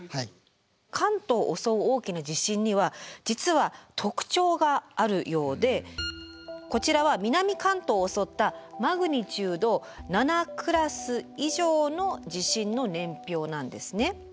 関東を襲う大きな地震には実は特徴があるようでこちらは南関東を襲ったマグニチュード７クラス以上の地震の年表なんですね。